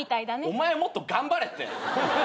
お前はもっと頑張れって。